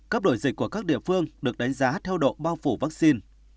các đổi dịch của các địa phương được đánh giá theo độ bao phủ vaccine